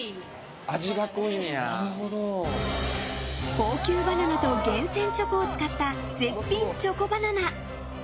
高級バナナと厳選チョコを使った絶品チョコバナナ。